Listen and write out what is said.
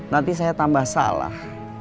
nanti saya tambah salah